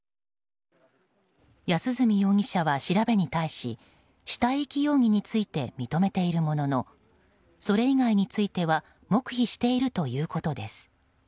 安栖容疑者は調べに対し死体遺棄容疑について認めているもののそれ以外については黙秘しているということです。